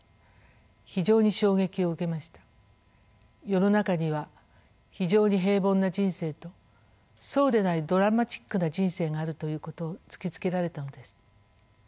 世の中には非常に平凡な人生とそうでないドラマチックな人生があるということを突きつけられたのです。